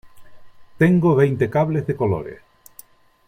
tengo veinte cables de colores